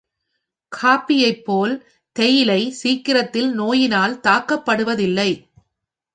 காஃபியைப் போல் தேயிலை சீக்கிரத்தில் நோயினால் தாக்கப்படுவதில்லை.